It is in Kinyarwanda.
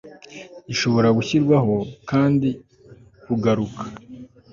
gishobora gushyirwaho kandi kugaruka